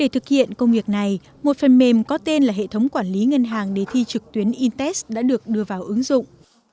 trước kiện công việc này một phần mềm có tên là hệ thống quản lý ngân hàng để thi trực tuyến intex đã được đưa vào ứng dụng